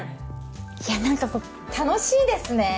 いや何かこう楽しいですね。